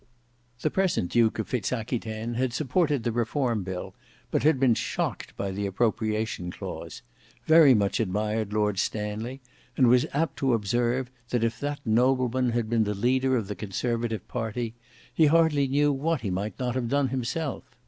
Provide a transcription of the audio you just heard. The present Duke of Fitz Aquitaine had supported the Reform Bill, but had been shocked by the Appropriation clause; very much admired Lord Stanley, and was apt to observe, that if that nobleman had been the leader of the conservative party, he hardly knew what he might not have done himself.